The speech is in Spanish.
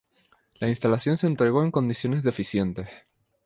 La instalación se entregó en condiciones deficientes.